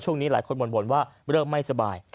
ช่วงนี้หลายคนบ่นว่าเริ่มไม่สบาย